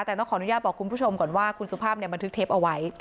แต่ต้องขออนุญาตบอกคุณผู้ชมก่อนว่าคุณสุภาพบันทึกเทปเอาไว้